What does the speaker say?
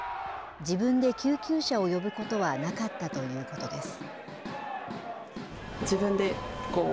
自分で救急車を呼ぶことはなかったということです。